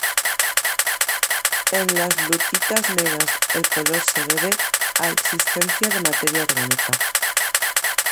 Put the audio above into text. En las lutitas negras el color se debe a existencia de materia orgánica.